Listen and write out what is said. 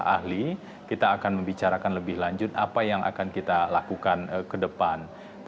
jadi kita akan membicarakan lebih lanjut apa yang akan kita lakukan ke depan